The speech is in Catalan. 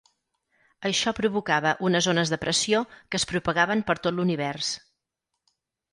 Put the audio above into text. Això provocava unes ones de pressió que es propagaven per tot l'univers.